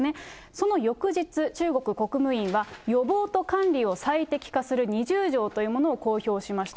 その翌日、中国国務院は、予防と管理を最適化する２０条というものを公表しました。